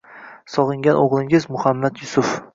Sog’ingan o’g’lingiz — Muhammad Yusuf.